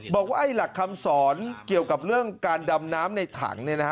บอกว่าหลักคำสอนเกี่ยวกับเรื่องการดำน้ำในถัง